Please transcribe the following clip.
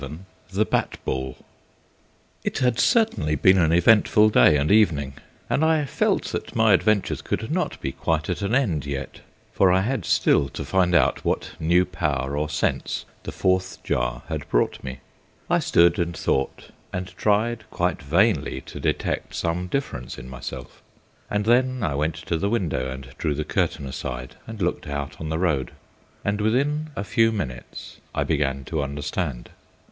VII THE BAT BALL It had certainly been an eventful day and evening, and I felt that my adventures could not be quite at an end yet, for I had still to find out what new power or sense the Fourth Jar had brought me. I stood and thought, and tried quite vainly to detect some difference in myself. And then I went to the window and drew the curtain aside and looked out on the road, and within a few minutes I began to understand.